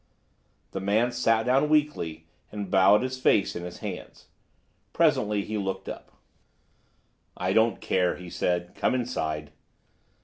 The man sat down weakly and bowed his face in his hands. Presently he looked up. "I don't care," he said. "Come inside."